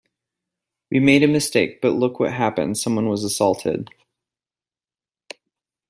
We made a mistake but look what happened someone was assaulted.